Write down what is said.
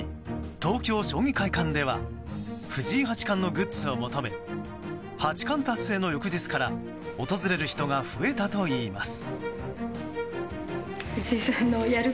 東京・将棋会館では藤井八冠のグッズを求め八冠達成の翌日から訪れる人が増えたといいます。